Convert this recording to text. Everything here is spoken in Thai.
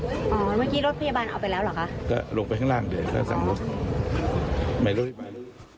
อ๋อแล้วเมื่อกี้รถพยาบาลเอาไปแล้วเหรอคะก็ลงไปข้างล่างเดี๋ยวเดี๋ยวจะสั่งรถหมายรถให้ไป